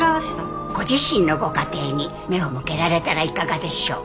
ご自身のご家庭に目を向けられたらいかがでしょう。